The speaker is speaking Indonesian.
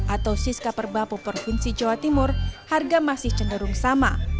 atau siska perbapu provinsi jawa timur harga masih cenderung sama